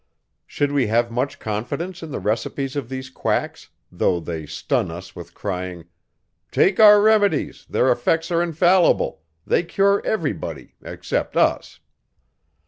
Should we have much confidence in the recipes of these quacks, though they stun us with crying, "take our remedies, their effects are infallible; they cure every body; except us."